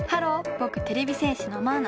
ぼくてれび戦士のマウナ。